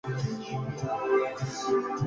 Chuck Norris dijo que no volvería para una secuela.